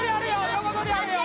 横取りあるよ